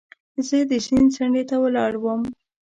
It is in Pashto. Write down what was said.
زه د سیند څنډې ته ولاړ وم.